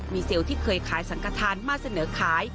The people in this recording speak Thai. มีเซลล์ที่เคยขายสังกฐานมาเสนอขาย